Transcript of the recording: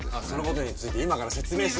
そのことについて今から説明。